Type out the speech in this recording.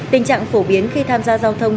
tình trạng phổ biến khi tham gia giao thông